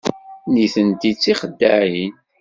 Nitenti d tixeddaɛin.